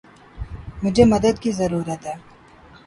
مجھے مدد کی ضرورت ہے۔